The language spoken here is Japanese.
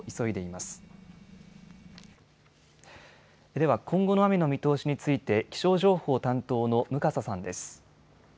では今後の雨の見通しについて気象情報担当の向笠さんです。